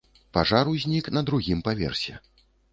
Пажар узнік на другім паверсе.